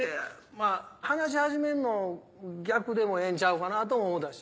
話し始めるの逆でもええんちゃうかなとも思たし。